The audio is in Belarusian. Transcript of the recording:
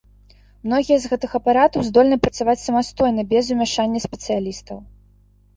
Многія з гэтых апаратаў здольны працаваць самастойна без умяшання спецыялістаў.